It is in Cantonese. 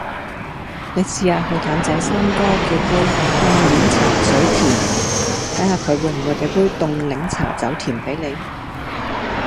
你試吓去譚仔三哥叫杯「凍鏈茶早田」睇吓佢會唔會俾杯凍檸茶走甜俾你